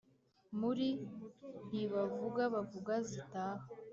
muri Ntibavuga Bavuga zitaha